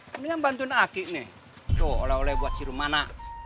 mendingan bantuin aku nih tuh oleh oleh buat si rumana